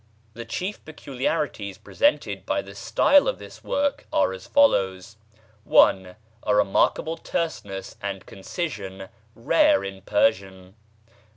The chief peculiarities presented by the style of this work are as follows: (1) A remarkable terseness and concision rare in Persian.